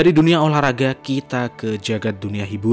dari dunia olahraga kita ke jagad dunia hiburan